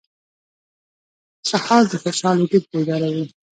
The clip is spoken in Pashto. سهار د خوشحال وجود بیداروي.